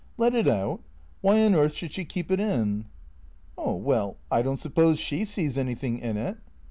" Let it out? ^^Hiy on earth should she keep it in? "" Oh well, I don't suppose she sees anything in it."